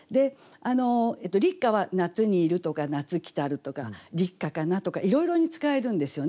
立夏は「夏に入る」とか「夏来る」とか「立夏かな」とかいろいろに使えるんですよね。